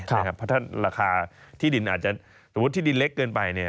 เพราะถ้าราคาที่ดินอาจจะสมมุติที่ดินเล็กเกินไป